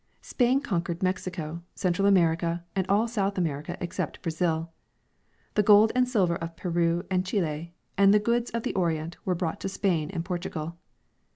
Spain conquered Mexico. Central America, and all South. America exce|)t Brazil. The gold and silver of Peru and Chile and the goods of the Orient were brought to Spain and Portugal.